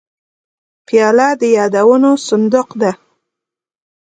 پیاله د یادونو صندوق ده.